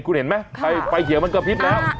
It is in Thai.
คุณเห็นไหมไฟเขียวมันกระพริบแล้ว